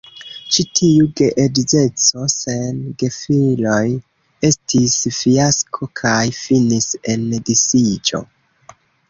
Ĉi tiu geedzeco sen gefiloj estis fiasko kaj finis en disiĝo.